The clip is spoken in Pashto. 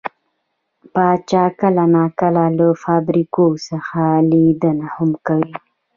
پاچا کله نا کله له فابريکو څخه ليدنه هم کوي .